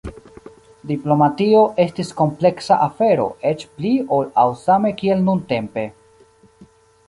Diplomatio estis kompleksa afero, eĉ pli ol aŭ same kiel nuntempe.